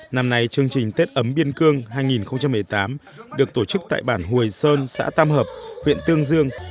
năm nay chương trình tết ấm biên cương hai nghìn một mươi tám được tổ chức tại bản hồi sơn xã tam hợp huyện tương dương